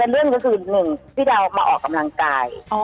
เรื่องก็คือ๑พี่ดาวมาออกกำลังกาย